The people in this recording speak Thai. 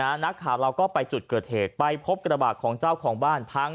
นักข่าวเราก็ไปจุดเกิดเหตุไปพบกระบาดของเจ้าของบ้านพัง